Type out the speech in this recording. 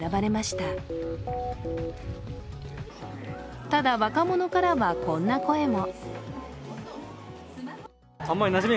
ただ、若者からはこんな声も。